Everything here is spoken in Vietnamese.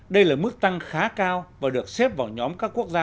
đây là mức tăng khá cao và được xếp vào nhóm các quốc gia